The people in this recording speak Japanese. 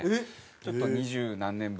ちょっと二十何年ぶりに。